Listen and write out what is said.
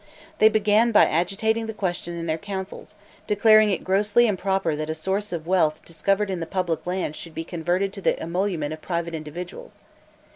They began by agitating the question in their councils, declaring it grossly improper that a source of wealth discovered in the public lands should be converted to the emolument of private individuals.